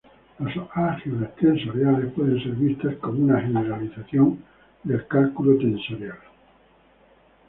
Las álgebras tensoriales pueden ser vistas como una generalización del cálculo tensorial.